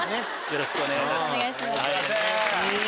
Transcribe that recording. よろしくお願いします。